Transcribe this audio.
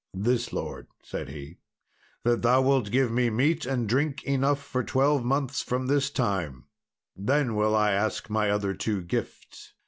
"This, lord," said he, "that thou wilt give me meat and drink enough for twelve months from this time, and then will I ask my other two gifts."